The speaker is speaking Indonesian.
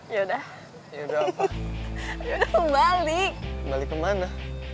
yaudah aku ikut ya